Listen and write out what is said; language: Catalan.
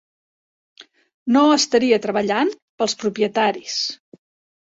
No estaria treballant "pels propietaris".